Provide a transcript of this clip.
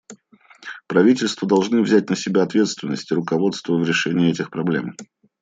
Правительства должны взять на себя ответственность и руководство в решении этих проблем.